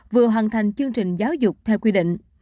vừa hoàn thành chương trình giáo dục theo quy định